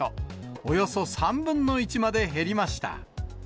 およそ３分の１まで減りました。